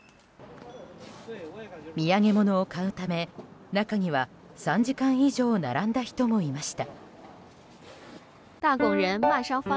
土産物を買うため中には３時間以上並んだ人もいました。